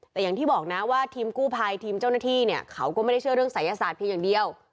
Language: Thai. แต่อย่างที่บอกนะว่าทีมกู้ภัยทีมเจ้าหน้าที่เนี่ยเขาก็ไม่ได้เชื่อเรื่องศัยศาสตร์เพียงอย่างเดียว